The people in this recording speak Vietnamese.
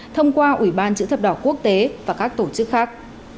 thông qua ủy ban chữ thập đỏ quốc tế và các tổ chức khác